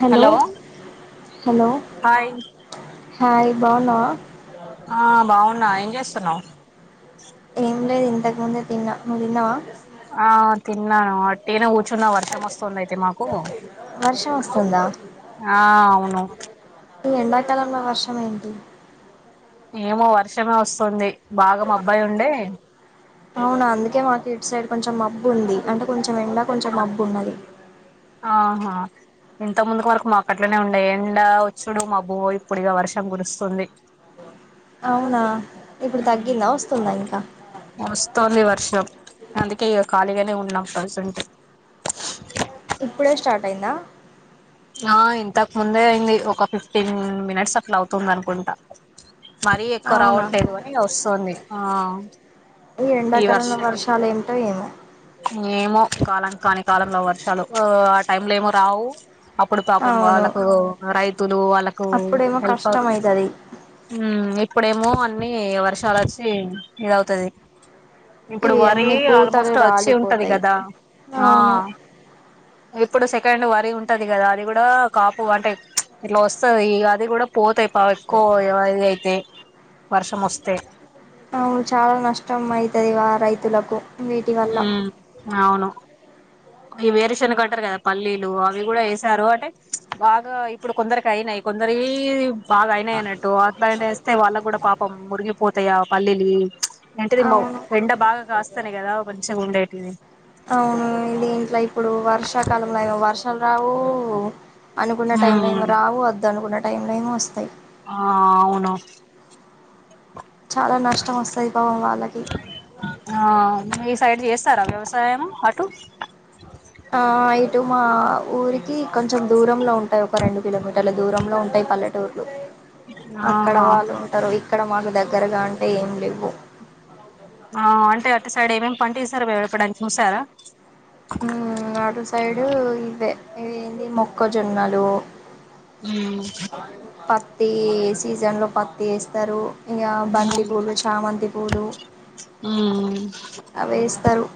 Hello, hello, hi hi బావున్నావా. ఆ బావున్నా, ఏజేసున్నావ్. ఏం లేదు ఇంతకు ముందే తిన్నా, నువ్వు తిన్నావా. ఆ తిన్నాను, ఉట్టినే కూర్చున్నా వర్షం వస్తుంది అయితే మాకు వర్షం వస్తుందా ఆ అవును ఈ ఎండాకాలంలో వర్షం ఏంటి. ఏమో వర్షమే వసుంది. అవునా, అందుకే మాక ఇట్ సైడ్. కొంచెం మబ్బు ఉంది, అంటే కొంచెం ఎండా కొంచెం మబ్బు ఉన్నది. ఆహా ఇంతకు ముందు వరకు మాక అట్లోనే ఉండే ఎండా వచ్చుడు, మబ్బు బోయ్ ఇప్పుడు ఇగా వర్షం కురుసుంది. అవునా ఇప్పుడు తగ్గిందా హుహ్ వస్తుందా ఇంకా వస్తోంది వర్ష్ యమ్ అందుకే ఇగా ఖాళీగానే ఉన్నం. ప్రజెంటూ ఇప్పుడే స్టార్ట్ అయిందా. మా ఇంతకు ముందే అయింది. ఒక ఫిఫ్టీన్ మినిట్స్ అట్లా అవుతుంది అనుకుంటా. మరీ ఎక్కువ అవునా రావట్లేదు అని వసుంది. ఆ ఈ ఎండాకాలంలో వర్షాలు ఏమిటో ఏమో. ఇంగేమో కాలం కాని కాలంలో వర్షాలు ఉహ్ ఆటైంలో ఏమో రావు. అప్పుడు పాపం అవును వాళ్ళకు, రైతులు వాళ్ళకు అప్పుడేమో హెల్ప్ కష్టం అవుతార్. అవుతుంది హు ఇప్పుడేమో అన్ని వర్షాలు వచ్చి ఇద్దవుతది. ఇప్పుడు ఇవి వరి అన్ని పూతలు ఆల్మోస్ట్ వచ్చి ఉంటది రాలిపోతాయి కదా ఆ అవును ఇప్పుడు సెకండ్ వరి ఉంటది కదా, అది కూడా కాపు అంటే ఇట్లా వసది, ఈ అది కూడా పోతే పావ్ ఎక్కువ యేవా ఇది అయితే వర్షం వస్తే ఆ చాలా నష్టం అయితది వా రైతులకు వీటి వల్ల నవును వి వేరుశనగా కంటారు కదా, పల్లీలు అవి కూడా ఏసారు అంటే, బాగా ఇప్పుడు కొందరికి అయినయ్. కొందరీబ్ బాగా అయినై అన్నట్టు, అట్లైనా ఏస్తే వాళ్ళకు కూడా పాపం మురిగిపోతాయ్ ఆ పల్లీల్లి. ఏంటిది మో అవును ఎండ బాగా కాస్తానే కదా కొంచం ఉండేటిది. అవును దీంట్లో ఇప్పుడు వర్షాకాలంలో ఏమో వర్షాలు రావు, అనుకున్న టైంలో ఏమో ఉమ్ రావు వద్దు అనుకున్న టైం లేమ్ వస్తాయి. ఆ అవును చాలా నష్టం వస్తది. పాపం వాళ్ళకి ఆ మీ సైడ్ చేస్తారా వ్యవసాయము అటు ఆ ఇటు మా ఊరికి కొంచెం దూరంలో ఉంటాయ్. ఒక రెండు కిలోమీటర్ల దూరంలో ఉంటాయ్, పల్లెటూర్లు అక్కడ ఆహా వాళ్ళు ఉంటారు ఇక్కడ మాకు దగ్గరగా అంటే ఏం లేవు ఆ అంటే అటు సైడ్ ఏమేమి పంట వేసారో ఎప్పుడైనా చూసారా ఇదే ఇది ఏంది మొక్క జొన్నలు పత్తి సీజన్ లో పత్తి వేస్తారు ఇంక ఉ బంతిపూలు చామంతి పూలు అవేస్తారు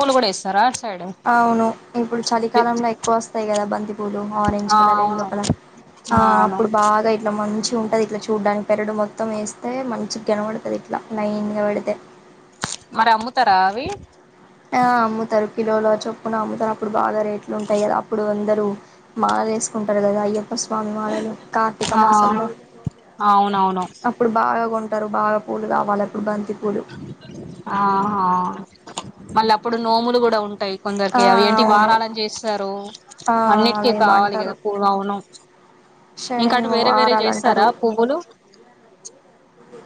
పూలు కూడా వేస్తారా సైడ్ అవును ఇప్పుడు చలికాలంలో ఎక్కువ వస్తాయి కదా బంతిపూలు ఆరెంజ్ ఆ కలర్ ఎల్లో అవును కలర్ ఆ అప్పుడు బాగా ఇట్లా మంచి ఉంటది ఇట్లా చూడ్డానికి పెరుడు మొత్తం వేస్తే మంచిగా కనపడుతది ఇట్లా లైన్ గా పెడితే మరి అమ్ముతారా అవి ఆ అమ్ముతారు కిలోలో చప్పున అమ్ముతారు అప్పుడు బాగా రేట్లు ఉంటాయి కదా అప్పుడు అంద రు మాలలు వేసుకుంటారు కదా అయ్యప్ప స్వామి మాలలు కార్తీక ఆ మాసంలో అవునవును అప్పుడు బాగా కొంట టారు బాగా పూలు కావాలి ఎప్పుడు బంతి పూలు ఆహా మళ్ళీ అప్పుడు నోములు కూడా ఉంటాయి ఆ కొందరికి అవి ఏంటి అవును వారాలని చేస్తారు ఆ అన్నిటికీ అవేమో కావాలి అంటారు కదా పూర్వవునం ఇంకా అటు వేరే వేరే శనివారాలు చేస్తారా అంటారు పువ్వులు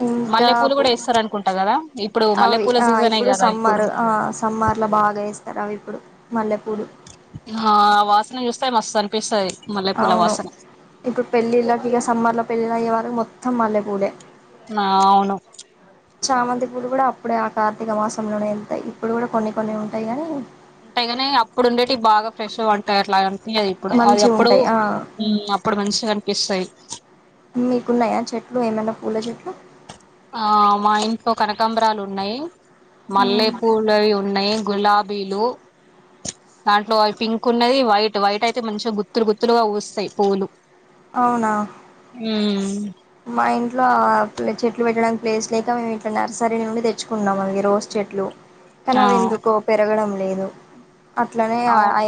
ఇంకా మల్లె పూలు కూడా వేస్తార అనుకుంటా కదా ఇప్పుడు అవి మల్లెపూల ఆ సీజనే కదా ఇప్పుడు సమ్మర్ ఆ సమ్మర్లో బాగా వేస్తారు అవి ఇప్పుడు మల్లె ఆ వాసన చూస్తే మస్తు అనిపిస్తది మల్లెపూల అవును వాసన ఇప్పుడు పెళ్ళిళ్ళకి ఇక సమ్మర్ లో పెళ్ళిళ్ళు అయ్యే వరకు మొత్తం మల్ళె పూలే నా అవును చామంతి పూలు కూడా అప్పుడే ఆ కార్తీక మాసంలోనే వెళ్తాయి ఇప్పుడు కూడా కొన్ని కొన్ని ఉంటాయి కాని ఉంటాయిగాని అప్పుడు ఉండేటివి బాగా ఫ్రెష్ ఉంటాయి అలా ఏంగాది ఇప్పుడు అది మంచిగా అప్పుడు ఉంటాయి ఆ అప్పుడు మంచిగా అనిపిస్తాయి మీకున్నాయా చెట్లు ఏమైనా పూల చెట్లు ఆ మా ఇంట్లో కనకాంబరాలు ఉన్నాయి మల్లె పూలవి ఉన్నాయి గులాబీలు దాంట్లో పింక్ ఉన్నది వైట్ వైట్ అయితే మంచిగా గుత్తులు గుత్తులుగా ఊస్తాయి పూలు అవునా ఉమ్ మా ఇంట్లో చెట్లు పెట్టడానికి ప్లేస్ లేక మేము ఇట్లా నర్సరీ నుండి తెచ్చుకున్నాం అవి రోజ్ చె ట్లు కానీ ఆ అవి ఎందుకో పెరగడం లేదు అట్లనే ఆ అవును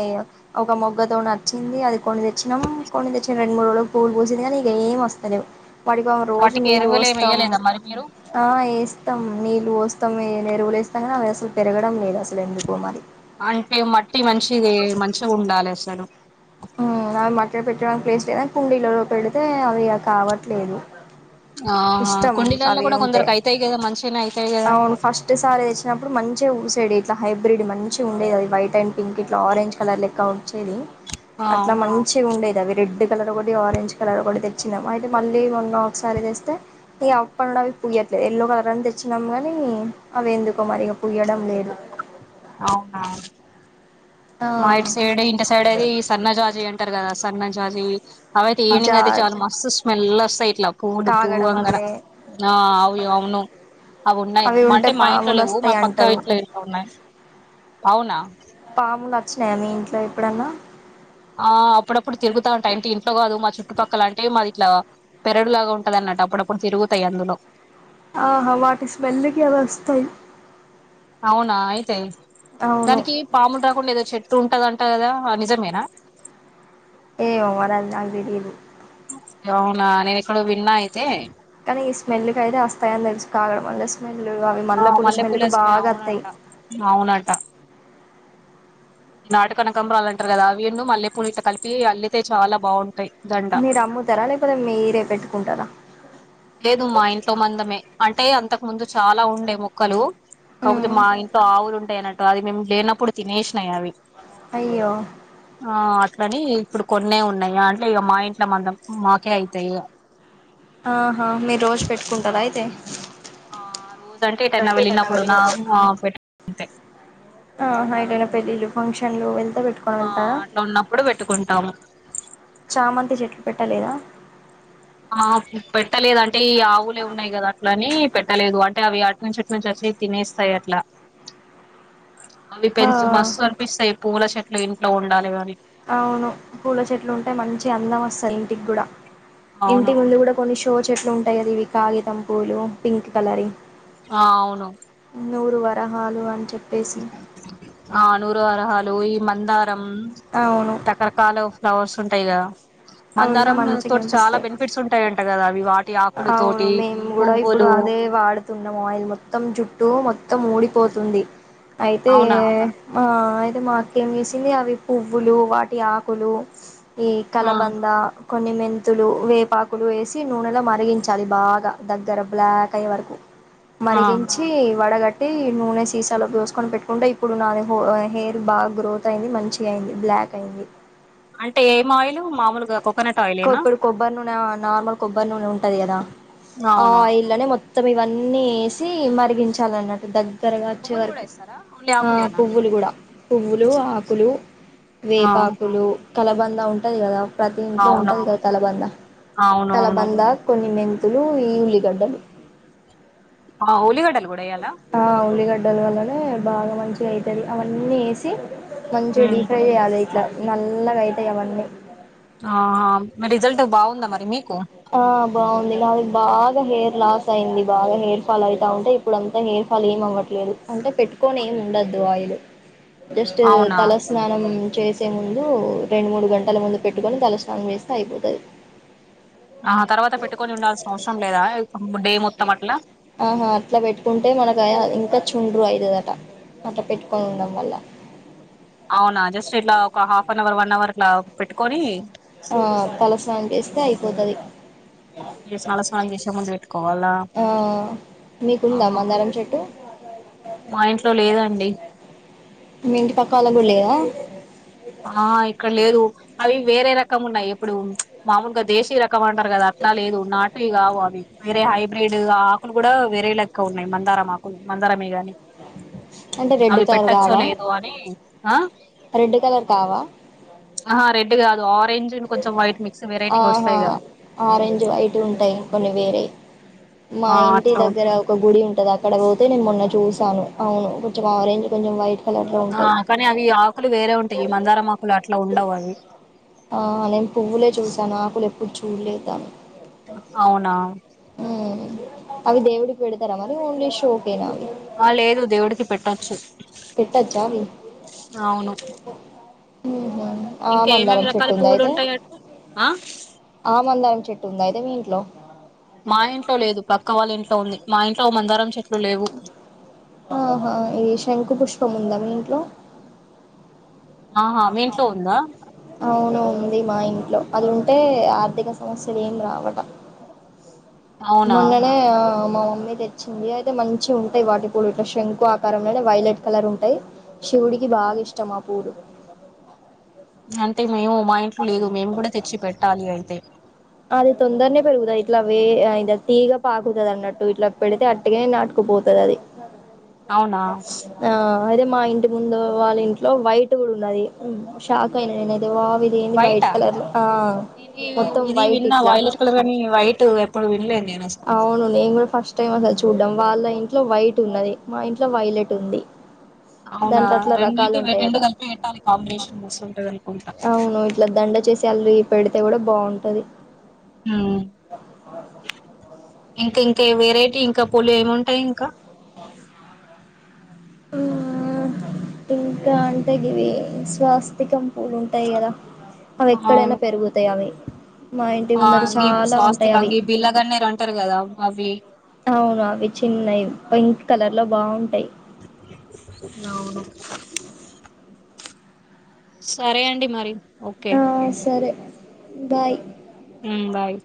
ఒక మొగ్గతో నచ్చింది అది కొని తెచ్చినాం కొని తెచ్చిన రెండు మూడు రోజులకు పువ్వులు పూసింది కాని ఇక ఏం వస్తలేవు వాటి కా రోజు వాటికి నీళ్ళు ఎరువులు ఏమి పోస్తాం వేయలేదా మరి మీరు ఆ వేస్తాం నీళ్ళు పోస్ స్తాం ఎరువులేస్తాం కానీ అవి అసలు పెరగడం లేదు అసలు ఎందుకో మరి అంటే మట్టి మంచిది మంచిగా ఉండాలి అసలు ఉమ్ అవి మట్టిలో పెట్టడానికి ప్లేస్ లేదని కుండీలలో పెడితే అవి ఇక కావట్లేదు ఆహా ఇష్టం కుండీలల్లో అవి కూడా కొందరు ఉంటే కైతాయి కదా మంచిగానే అయి అవును ఫస్ట్ సారీ తెచ్చినప్పుడు మంచిగా ఊసి ఇట్లా హైబ్రిడ్ మంచిగ ఉండేది వైట్ అండ్ పింక్ ఇట్లా ఆరంజ్ కలర్ లెక్క ఉ వచ్చేది ఆ అట్లా మంచిగా ఉండేది అవి రెడ్ కలర్ ఒకటి ఆరెంజ్ కలర్ ఒకటి తెచ్చినాము అయితే మళ్ళీ మొన్న ఒకసారి తెస్తే ఈ అప్పు పూయట్లే ఎల్లో కలర్ అని తెచ్చినాం గానీ అవి ఎందుకో మరి ఇగ పూయడం లేదు అవునా మా ఇటీ సైడ్ ఇంటి సైడ్ అది ఈ సన్నజాజి అని త్తరు కదా సన్న జాజీవి అవి అయితే ఆ ఈవినింగ్ జా అయితే చాలు మస్త్ స్మెల్ వస్తాయి ఇట్లా కూడు తాగడం పూవంగర వల్లే ఆ అవ్యు అవును అవి ఉన్నాయి ఉంటే అంటే మా ఇంట్లో పాములు లేవు మా వస్తాయి పక్క అంటారు ఇంట్లో ఇంట్లో ఉన్నాయి అవునా పాములు వచ్చినయా మీ ఇంట్లో ఎప్పుడన్నా ఆ అప్పుడప్పుడు తిరుగుతా ఉంటయ్ అంటే ఇంట్లో కాదు మా చుట్టుపక్కల అంటే మాదిట్లా పెరడు లాగా ఉంటదన్న ట అప్పుడప్పుడు తిరుగుతయ్యందులో ఆహా వాటి స్మెల్ కి అవి వస్తాయి అవునా అయితయి అవును దానికి పాములు రాకుండ ఏదో చెట్టు ట్టు ఉంటదంటా గదా ఆ నిజమేనా ఏ ఏవరనది దిది అవునా నేను ఎక్కడో విన్న అయితే కానీ ఈ స్మెల్ కయితే వస్తాయని తెలుసు కాగడం అ స్మెల్ అవి ఆ మల్లె పూల స్మెల్ మల్లెపూల కు బాగా అత్తాయి అవునంట ఈ నాటు కనకంబరలంటారు గదా అవీన్ను మల్లెపూలు ఇలు కలిపి అల్లితే చాలా బాగుంటాయి దండ మీరు అమ్ముతారా లేకపోతే మీరే పెట్టుకుంటారా లేదు మా ఇంట్లో మందమే అంటే అంతకు ముందు చాలా ఉండే మొక్కలు కాకపోతే మ్మ్. మా ఇంట్లో ఆవులు ఉంటాయి అన్నట్టు అది మేము లేనప్పుడు తినేసినాయి అవి అయ్యో ఆ అట్లని ఇప్పుడు కొన్నె ఉన్నాయా అంటే ఇక మా ఇంట్లో మద్దం మాకే అవుతాయి ఇగ ఆహా మీరు రోజు పెట్టుకుంటారా అయితే ఆ రోజ అంటే ఎటైనా వెళ్ళినప్పుడు నాకు [unintelligible] నంతే ఆ ఎటైనా పెళ్ళిలు ఫంక్షన్లు వెళ్ ఆ అట్లా ఉన్నప్పుడు పెట్టుకుంటాము చామంతి చెట్లు పెట్టలేదా ఆ పెట్టలేదు అంటే ఈ ఆవులే ఉన్నాయి గదా అట్ల అని పెట్టలేదు అంటే అవి అటునుంచి ఇటు నుంచి వచ్చి తినేస్తయట్ల అవి ఆ పెంచ మస్తు అనిపిస్తాయి పూల చెట్లు ఇంట్లో ఉండాలి గాని అవును పూల చెట్లు ఉంటే మంచి అందం వస్తాది ఇంటికి గూడా అవును ఇంటి ముందు కూడా కొన్ని షో చెట్లు ఉంటాయి కద ఇవి కాగితంపూలు పింక్ కలర్ వి ఆ అవును నూరు వరహాలు అం ఆ నూరు వరహాలు ఈ మంద రం అవును రకరకాల ఫ్లవర్స్ ఉంటాయి గదా అవి ఉంటే మందారం మంచిగా తోటి చాలా అనిపిస్తాయి బెనిఫిట్స్ ఉంటాయంట గదా అవి వాటి ఆకులు అవును తోటి మేము కూడా ఇప్పుడు పువ్వులు అదే వాడుతున్నాము ఆయిల్ మొత్తం జుట్టు మొత్తం వూడి పోతుంది అయితే అవునా మా అయితే మాక్క చేసింది అవి పువ్వులు వాటి ఆకులు ఈ ఆ కలబంద కొన్ని మెంతులు వేపాకులు వేసి నూనెలో మ మరిగించాలి బాగా దగ్గర బ్లాక్ అయ్యే వరకు ఆ మరిగించి వడగ ఈ నూనె సీసాలో పోసుకొని పెట్టుకుంటే ఇప్పుడు నా హెయిర్ బాగా గ్రోత్ అయింది మంచి అయింది బ్లాక్ ప్యాక్ అయింది అంటే ఏ మాయిల్ మామూలుగా కోకోనట్ క్కో ఆయిలేనా ఇప్పుడు కొబ్బరి నూనె నార్మల్ కొబ్బరి నూనె ఉంటది గదా ఆ అవును ఆయిల్ లోనే మొత్తం ఇవన్నీ అన్నీ ఏసి మరిగించాలన్నట్టు దగ్గరగా వచ్చే పువ్వులు కూడా వరకు వేస్తారా ఓన్లీ ఆ ఆకులేనా పువ్వులు గూడా పువ్వులు ఆకులు ఆ వేపాకులు కలబంద ఉంటది గదా ప్రతి ఇంట్లో అవును ఉంటది గదా కలబంద అవునవును కలబంద కొ ఈ మెంతులు ఈ ఉల్లిగడ్డలు డే యాల ఆ ఉల్లిగడ్డల వల్లనే బాగా మంచిగా అయితది అవన్నీ వేసి మంచిగా డీప్ ఫ్రై చేయాలె నల్లగాయితయ్ అవన్నీ ఆ ఆ మ రిజల్ట్ బాగుందా మరి మీకు ఆ బాగుంది లాది బాగా హెయిర్ లాస్ అయింది బాగా హెయిర్ ఫాల్ అయితా ఉంటే ఇప్పుడు అంతా హయిర్ ఫాల్ ఏమావ్వట్లేదు అంటే పెట్టుకొని ఉండొద్దు ఆయిల్ జస్ట్ అవునా తలస్నానం చేసే ముందు రెండు మూడు గంటల ముందు పెట్టుకొని తలస్నానం చేస్తే అయిపోతుది ఆ తర్వాత పెట్టుకొని ఉండాల్సిన అవసరం లేదా డే మొత్తం అట్లా ఆహా అట్లా పెట్టుకుంటే మనం ఇంకా చుండ్రు అయితుది అట అట్లా పెట్టుకొని ఉండడం వల్ల అవునా జస్ట్ ఇట్లా ఒక half an hour one hour ఇట్లా పెట్టుకొని పోతది స్నాన స్నానం చేసే ముందు పెట్టుకోవాలా ఆ ఆ మీకుందా మందారం చెట్టు మా ఇంట్లో లేదండి మీ ఇంటి పక్క వాళ్ళకు కూడా లేదా ఆ ఇక్కడ లేదు అవి వేరే రకం ఉన్నాయి ఇప్పుడు మామూలుగా దేశీయ రక కం అంటారు కదా అట్లా లేదు నాట్ వి కావు అవి వేరే హైబ్రిడ్ ఆకులు కూడా వేరే లెక్క ఉన్నాయి మందారం ఆకులు మందారమే గాని అంటే రెడ్ అవి కలర్ పెట్టచ్చో కావా లేదో అని ఆ రెడ్ కలర్ కావా ఆహా రెడ్ కాదు ఆరెంజ్ కొంచెం వైట్ మిక్స్ వెరైటీకి ఆహా వస్తాయి కదా అవి వేరేయి మా ఆ ఇంటి అట్లా దగ్గర ఒక గుడి ఉంటది అక్కడ పోతే నేను మొన్న చూసి తాను అవును కొంచెం ఆరంజ్ కొంచెం వైట్ కలర్ లో ఆ ఉంటాయి కానీ అవి ఆ ఆకులు వేరే ఉంటాయి ఈ మందారమాకులు అట్లా ఉండవు అవి ఆ నేను పువ్వులే చూసాను ఆకులు ఎప్పుడు చూల్లేదా అవునా ఉమ్ అవి దేవుడికి పెడుతారా మరి ఓన్లీ షోకేనా ఆ లేదు దేవుడికి పెట్టొచ్చు పెట్టొచ్చా అవి అవును ఉమ్ హు ఆ ఇంకా ఏమేమి మందారం రకాల చెట్టు ఉందా పువ్వులు అయితే ఉంటాయి అటు ఆ ఆ మందారం చెట్టు ఉందా అయి తే మీ ఇంట్లో మా ఇంట్లో లేదు పక్క వాళ్ళ ఇంట్లో ఉంది మా ఇంట్లో ఓ మందారం చెట్లు లేవు ఓహో ఇది శంఖు పుష్పం ఉందా మీ ఇంట్లో ఆహా మీ ఇంట్లో ఉందా అవును ఉంది మా ఇంట్లో అది ఉంటే ఆర్థిక సమస్యలు ఏం రావట అవునా మొన్ననే ఆమ్ మా మమ్మీ తెచ్చింది అయితే మంచిగుంటాయి వాటికి కూడా ఇట్ల శంఖు ఆకారంలోనే వైలెట్ కలర్ ఉంటాయ్. శివుడికి బాగా ఇష్టం ఆ పూలు అంటే మేము మా ఇంట్లో లేదు మేము కూడా తెచ్చి పెట్టాలి అయితే అది తొందరనే పెరుగుతాయి ఇట్లా వే అ ఇద తీగ పాకుతుది అన్నట్టు ఇట్లా పెడితే అట్టిగనే నాటుకుపోతది అది అవునా ఆ అదే మా ఇం టి ముందు వాళ్ళ ఇంట్లో వైట్ కూడా ఉన్నది షాక్ అయిన నేనైతే వావ్ ఇది ఏంది వైట్ వైటా కలర్ లో ఆ నేను ఇ- మొత్తం ఇది వైట్ విన్నా ఇట్లా వైలెట్ కలర్ కానీ వైట్ ఎప్పుడు వినలేదు నేను అసలు అవును నేను కూడా ఫస్ట్ టైమే అసల్ చూడ్డం వాళ్ళ ఇంట్లో వైట్ ఉన్నది మా ఇంట్లో వైలెట్ ఉంది అవునా దాంట్లో అట్లా రకాలు రెండిటి రెండు ఉంటాయట కలిపి పెట్టాలి కాంబినేషన్ మస్తుంటది అనుకుంటా అవును ఇట్లా దండ చేసి అల్లి పెడితే కూడా బాగుంటది హ్మ్ ఇంక ఇంక వెరైటీ ఇంకా పూలు ఏమింటాయి ఇంకా హ్మ్ ఇంకా అంటా ఇ ఇవి స్వాస్తికం పూలు ఉంటాయి కదా అవి ఎక్కడైనా అవును పెరుగుతాయి అవి మా ఇంటి ఆ ముందర ఈ చాలా ఉంటాయి అవి స్వాస్తికంగ ఈ బిల్లగాన్నరు అంటారు కదా అవి అవును అవి చిన్నయి పింక్ కలర్ లో హ్మ్. బాగుంటాయి అవును సరే అండి మరి ఓకే ఆ సరే బాయ్ ఉ బాయ్